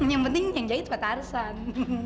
yang penting yang jahit mba tarsan